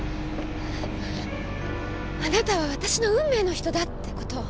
あなたは私の運命の人だって事。